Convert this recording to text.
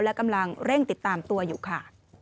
และกำลังเร่งติดตามตัวอยู่ค่ะ